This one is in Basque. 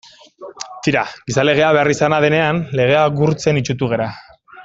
Tira, gizalegea beharrizana denean legea gurtzen itsutu gara.